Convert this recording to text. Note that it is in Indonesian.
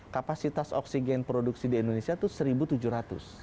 kapasitas oksigen produksi di indonesia itu seribu tujuh ratus